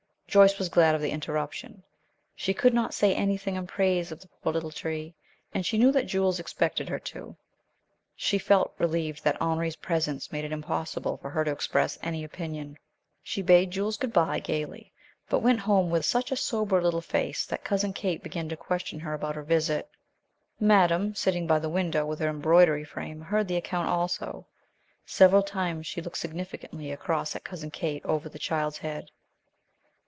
Joyce was glad of the interruption. She could not say anything in praise of the poor little tree, and she knew that Jules expected her to. She felt relieved that Henri's presence made it impossible for her to express any opinion. She bade Jules good by gaily, but went home with such a sober little face that Cousin Kate began to question her about her visit. Madame, sitting by the window with her embroidery frame, heard the account also. Several times she looked significantly across at Cousin Kate, over the child's head.